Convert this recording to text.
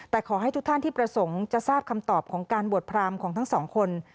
แต่ขอให้ทุกท่านที่ประสงค์จะทราบคำตอบของการบวชพรามของทั้งสองคน